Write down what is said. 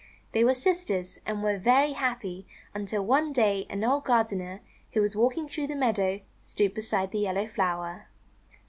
They were sisters, and were very happy until one day an old gardener, who was walking through the meadow, stooped beside the yellow flower.